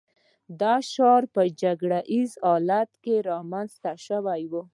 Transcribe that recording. دا شعار په جګړه ییز حالت کې رامنځته شوی و